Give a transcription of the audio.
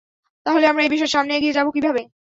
তাহলে আমরা এই বিষয়ে সামনে এগিয়ে যাবো কিভাবে?